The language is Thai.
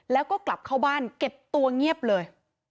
แล้วก็กลับเข้าบ้านเก็บตัวเงียบเลย